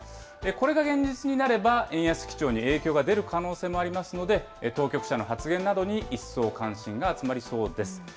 これが現実になれば、円安基調に影響が出る可能性もありますので、当局者の発言などに一層関心が集まりそうです。